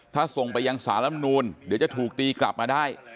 ถ้าส่งไปยังสารลำนูนเดี๋ยวจะถูกตีกลับมาได้